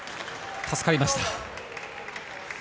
助かりました。